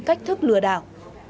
cách thức lừa đảo